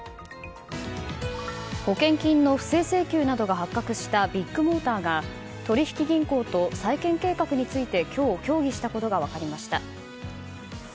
保険金の不正請求などが発覚したビッグモーターが取引銀行と再建計画について今日協議したことが分かりました。